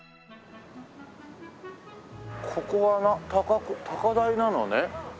ここは高台なのね。